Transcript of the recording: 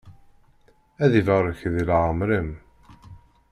Ad ibarek di leεmeṛ-im!